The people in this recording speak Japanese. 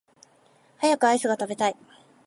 早くアイスが食べたい